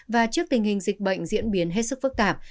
và trước tình hình dịch bệnh diễn biến hết sức phức tạp